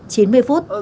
tự luận chín mươi phút